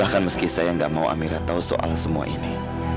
bahkan meski saya gak mau amira tahu soal semua ini